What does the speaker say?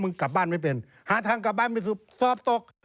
กลับบ้านไม่เป็นหาทางกลับบ้านไม่สุดสอบตก